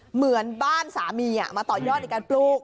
เหมือนบ้านสามีมาต่อยอดในการปลูก